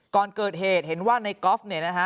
ก่อนเกิดเหตุเห็นว่าในกอล์ฟเนี่ยนะฮะ